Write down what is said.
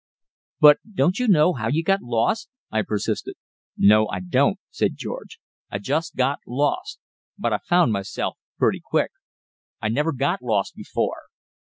"But don't you know how you got lost?" I persisted. "No, I don't," said George. "I just got lost. But I found myself pretty quick. I never got lost before."